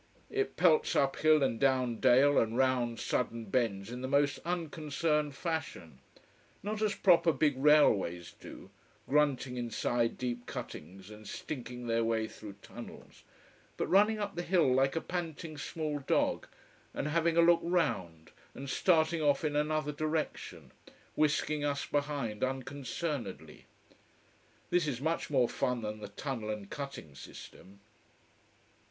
It pelts up hill and down dale and round sudden bends in the most unconcerned fashion, not as proper big railways do, grunting inside deep cuttings and stinking their way through tunnels, but running up the hill like a panting, small dog, and having a look round, and starting off in another direction, whisking us behind unconcernedly. This is much more fun than the tunnel and cutting system.